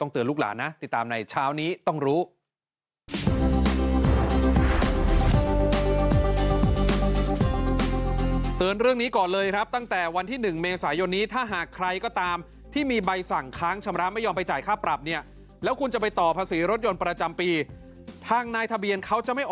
เดี๋ยวต้องเตือนลูกหลานนะติดตามในเช้านี้ต้องรู้